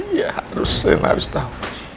iya harus rena harus tahu